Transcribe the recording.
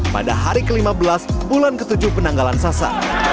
pada hari ke lima belas bulan ke tujuh penanggalan sasa